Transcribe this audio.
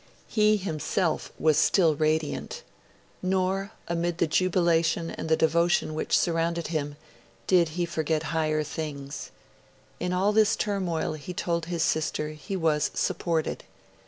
He himself was still radiant. Nor, amid the jubilation and the devotion which surrounded him, did he forget higher things. In all this turmoil, he told his sister, he was 'supported'.